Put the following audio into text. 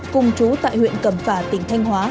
cùng chú tại huyện cầm phả tỉnh thanh hóa